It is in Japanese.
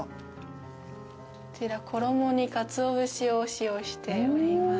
こちら衣にかつお節を使用しております。